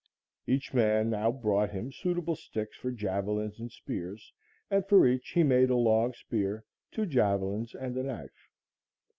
Each man now brought him suitable sticks for javelins and spears, and for each he made a long spear, two javelins and a knife.